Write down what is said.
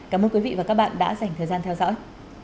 cảm ơn quý vị và các bạn đã dành thời gian theo dõi